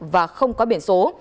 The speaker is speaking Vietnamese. và không có biển số